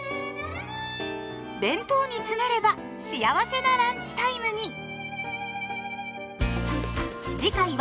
弁当に詰めれば幸せなランチタイムに！